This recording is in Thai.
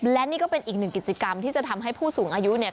และนี่ก็เป็นอีกหนึ่งกิจกรรมที่จะทำให้ผู้สูงอายุเนี่ย